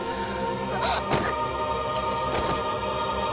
あっ。